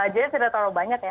jadi tidak terlalu banyak ya